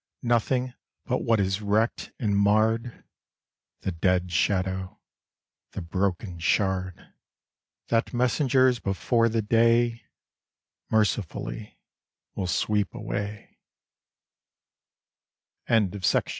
Nothing but what is wreck' d and marr'd. The dead shadow, the broken shard, That messengers before the day Mercifully will sweep